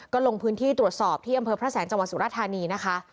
ก็ลงพื้นที่ตรวจสอบที่อำเภอพระแสงจังหวัดสุรธานีนะคะ